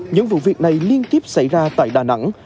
những vụ việc này liên tiếp xảy ra tại đà nẵng